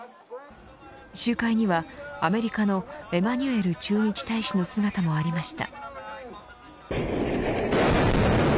集会にはアメリカのエマニュエル駐日大使の姿もありました。